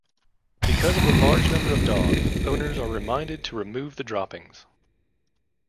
Because of the large number of dogs, owners are reminded to remove the droppings.